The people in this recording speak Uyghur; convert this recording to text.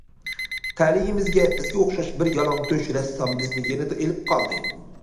تەلىيىمىزگە بىزگە ئوخشاش بىر يالاڭتۆش رەسسام بىزنى يېنىدا ئېلىپ قالدى.